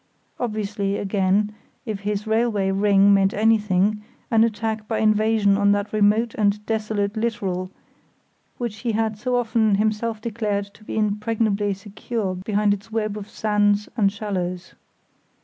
Obviously again, if his railway ring meant anything, an attack by invasion on that remote and desolate littoral which he had so often himself declared to be impregnably secure behind its web of sands and shallows.